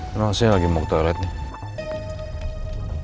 emang saya lagi mau ke toilet nih